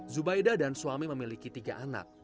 zubaida dan suami memiliki tiga anak